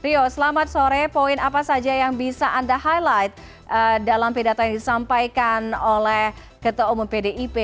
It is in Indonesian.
rio selamat sore poin apa saja yang bisa anda highlight dalam pidato yang disampaikan oleh ketua umum pdip